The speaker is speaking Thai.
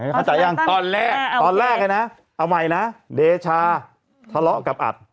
เข้าใจยังตอนแรกตอนแรกเลยนะเอาใหม่นะเดชาทะเลาะกับอัด